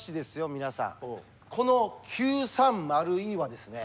皆さんこの９３０Ｅはですね